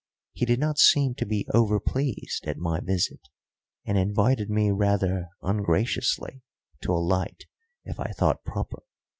He did not seem to be over pleased at my visit, and invited me rather ungraciously to alight if I thought proper.